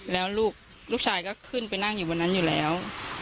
แล้วลูกชายก็ขึ้นไปนั่งอยู่บนนั้นอยู่แล้ว